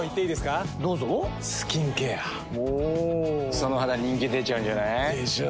その肌人気出ちゃうんじゃない？でしょう。